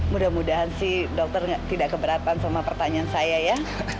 mudah mudahan sih dokter tidak keberatan sama pertanyaan saya ya